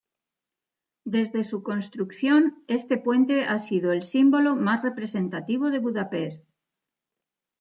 Desde su construcción, este puente ha sido el símbolo más representativo de Budapest.